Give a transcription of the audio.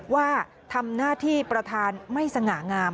ว่าทำหน้าที่ประธานไม่สง่างาม